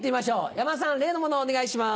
山田さん例のものをお願いします。